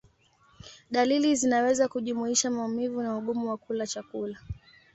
Dalili zinaweza kujumuisha maumivu na ugumu wa kula chakula.